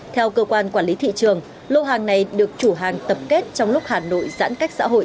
theo cơ quan quản lý thị trường lô hàng này được chủ hàng tập kết trong lúc hà nội giãn cách xã hội